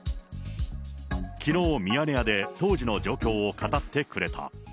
きのう、ミヤネ屋で当時の状況を語ってくれた。